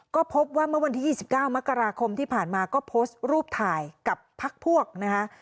ก็พบว่าเมื่อวันที่๒๙มกราคมที่ผ่านมาก็โพสต์รูปถ่ายกับพักพวกนะคะ